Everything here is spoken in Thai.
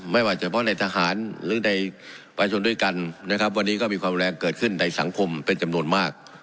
ไม่ว่าเฉพาะในทหารหรือในประชนด้วยกันนะครับวันนี้ก็มีความแรงเกิดขึ้นในสังคมเป็นจำนวนมาก